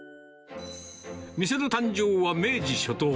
店の誕生は明治初頭。